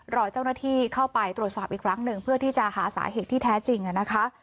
รอเจ้าหน้าที่เข้าไปตรวจสอบอีกครั้งหนึ่งเพื่อที่จะหาสาเหตุที่แท้จริงนะคะ